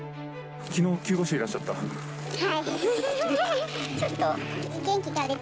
きのう救護所いらっしゃった？